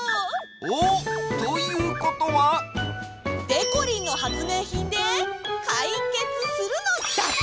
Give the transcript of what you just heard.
おお！ということは？でこりんのはつめいひんでかいけつするのだ！